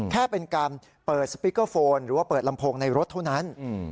แค่เป็นการเปิดสปิกเกอร์โฟนหรือว่าเปิดลำโพงในรถเท่านั้น